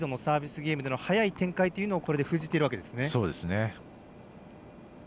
ゲームの早い展開というのをこれで封じているわけですね。